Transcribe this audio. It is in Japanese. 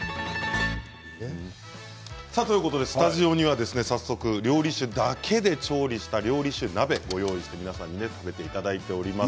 スタジオには早速料理酒だけで調理した料理酒鍋をご用意して、皆さんに食べていただいております。